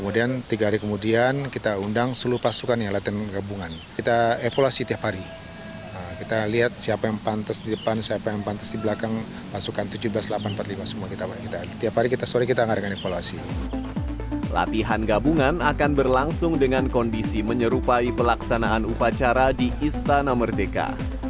dan akan berlangsung dengan kondisi menyerupai pelaksanaan upacara di istana merdeka